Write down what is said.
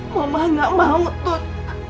mama gak mau tut